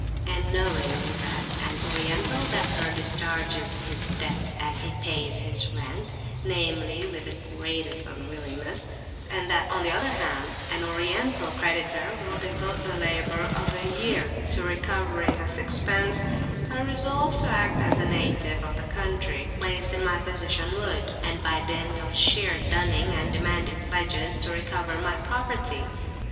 And knowing that an Oriental debtor discharges his debt as he pays his rent, namely, with the greatest unwillingness, and that, on the other hand, an Oriental creditor will devote the labour of a year to recovering a sixpence, I resolved to act as a native of the country, placed in my position, would; and by dint of sheer dunning and demanding pledges, to recover my property.